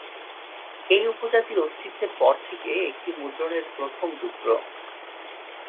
এই উপজাতির অস্তিত্বের পর থেকে এটি মুদ্রণের প্রথম টুকরো।